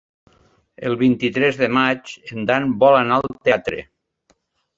El vint-i-tres de maig en Dan vol anar al teatre.